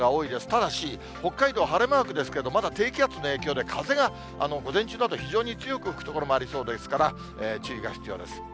ただし、北海道、晴れマークですけど、まだ低気圧の影響で、風が午前中など、非常に強く吹く所もありそうですから、注意が必要です。